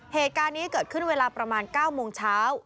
เหตุการณ์นี้เกิดขึ้นเวลาประมาณ๙โมงเช้า